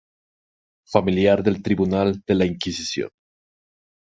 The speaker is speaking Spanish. Familiar del Tribunal de la Inquisición.